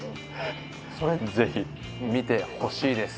ぜひ見てほしいです。